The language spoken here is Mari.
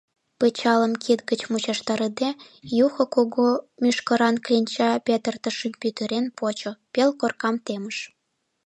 Пычалым кид гыч мучыштарыде, Юхо кугу мӱшкыран кленча петыртышым пӱтырал почо, пел коркам темыш.